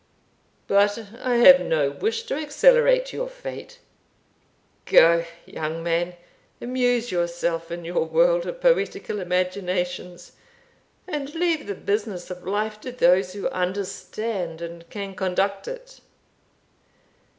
But I have no wish to accelerate your fate. Go, young man! amuse yourself in your world of poetical imaginations, and leave the business of life to those who understand and can conduct it."